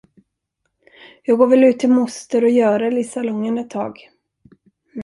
Jag går väl ut till moster och Görel i salongen ett tag.